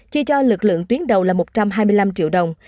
chi cho lực lượng tuyến đầu là một trăm hai mươi năm triệu đồng